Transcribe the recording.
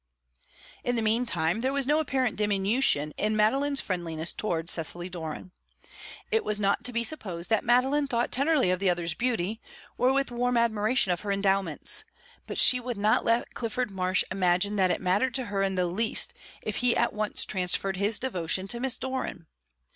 In the mean time there was no apparent diminution in Madeline's friendliness towards Cecily Doran. It was not to be supposed that Madeline thought tenderly of the other's beauty, or with warm admiration of her endowments; but she would not let Clifford Marsh imagine that it mattered to her in the least if he at once transferred his devotion to Miss Doran.